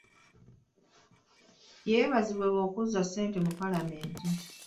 Yeebazibwa olw'okuzza ssente mu paalamenti.